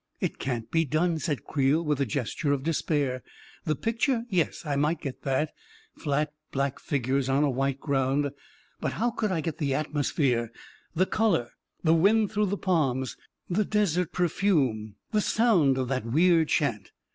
" It can't be done," said Creel, with a gesture of despair. " The picture — yes, I might get that — flat black figures on a white ground. But how could I get the atmosphere, the color, the wind through the palms, the desert perfume, the sound of that weird chant?